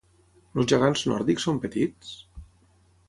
Els gegants nòrdics són petits?